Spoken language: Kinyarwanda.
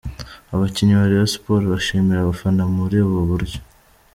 Abakinnyi ba Rayon Sports bashimira abafana muri ubu buryo